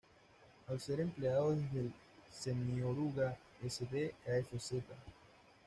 Al ser empleado desde el semioruga Sd.Kfz.